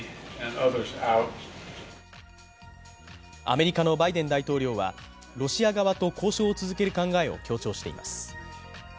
アメリカのバイデン大統領はロシア側と交渉を続ける考えを強調しています。